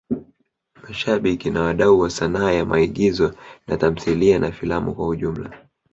Mashabiki na wadau wa sanaa ya maigizo na tamthilia na filamu kwa ujumla